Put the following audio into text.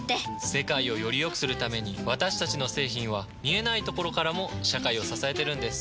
世界をよりよくするために私たちの製品は見えないところからも社会を支えてるんです。